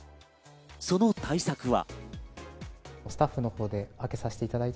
その対策は。